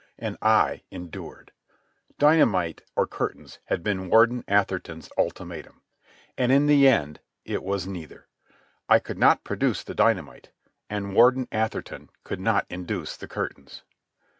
And I endured. Dynamite or curtains had been Warden Atherton's ultimatum. And in the end it was neither. I could not produce the dynamite, and Warden Atherton could not induce the curtains.